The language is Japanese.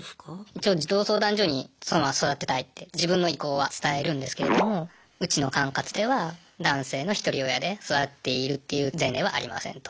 一応児童相談所にそのまま育てたいって自分の意向は伝えるんですけれどもうちの管轄では男性のひとり親で育てているっていう前例はありませんと。